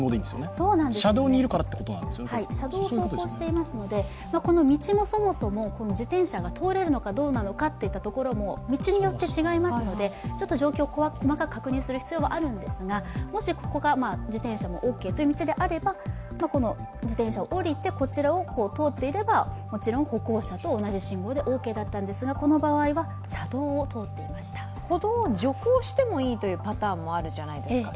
そうなんです、車道を走行していますので、道もそもそも自転車が通れるかどうなのかといったところも道によって違いますので状況、細かく確認する必要はあるんですが、もしここが自転車もオッケーという道であればこの自転車を降りて、こちらを通っていればもちろん歩行者と同じ信号でオーケーだったんですが、この場合は、車道を通っていました歩道を徐行してもいいというパターンもあるじゃないですか。